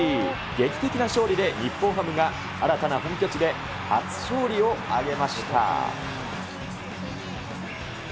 劇的な勝利で、日本ハムが新たな本拠地で初勝利を挙げました。